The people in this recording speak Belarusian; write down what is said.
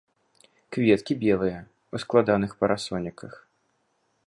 Кветкі белыя, у складаных парасоніках.